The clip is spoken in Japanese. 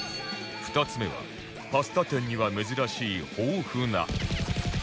２つ目はパスタ店には珍しい豊富な